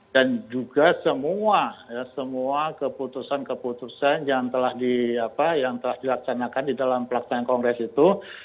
dan juga semua semua keputusan keputusan yang telah dilaksanakan di dalam pelaksanaan kongres itu